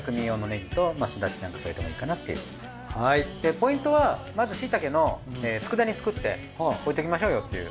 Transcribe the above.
ポイントはまずしいたけの佃煮作って置いときましょうよっていう。